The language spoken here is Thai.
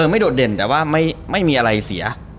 โดดเด่นแต่ว่าไม่มีอะไรเสีย